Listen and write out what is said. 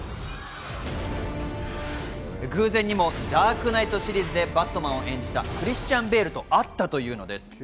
偶然にも『ダークナイト』シリーズでバットマンを演じたクリスチャン・ベールと会ったというのです。